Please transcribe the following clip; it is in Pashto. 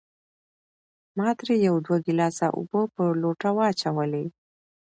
ما ترې يو دوه ګلاسه اوبۀ پۀ لوټه واچولې